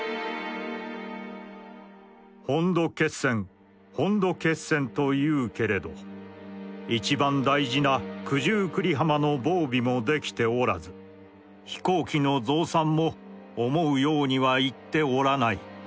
「本土決戦本土決戦と云ふけれど一番大事な九十九里浜の防備も出来て居らず飛行機の増産も思ふ様には行つて居らない。